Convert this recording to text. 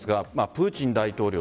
プーチン大統領